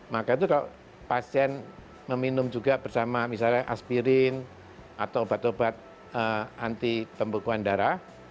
maka itu kalau pasien meminum juga bersama misalnya aspirin atau obat obat anti pembekuan darah